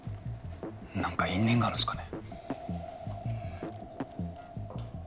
何か因縁があるんですかね？